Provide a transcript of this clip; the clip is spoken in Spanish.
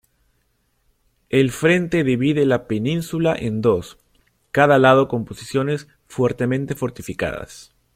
El frente divide la península en dos, cada lado con posiciones fuertemente fortificadas.